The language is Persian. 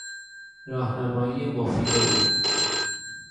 راهنمایی مفید او